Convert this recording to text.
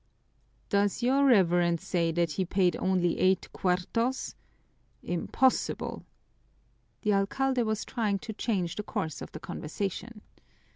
"Does your Reverence say that he paid only eight cuartos? Impossible!" The alcalde was trying to change the course of the conversation.